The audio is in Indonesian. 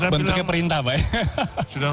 bentuknya perintah pak ya